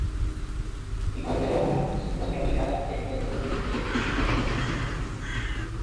Ticonderoga se encuentra ubicada dentro del pueblo de Ticonderoga.